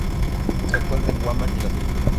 Se encuentra en Guam y las Filipinas.